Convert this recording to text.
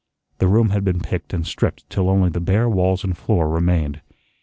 The room had been picked and stripped till only the bare walls and floor remained.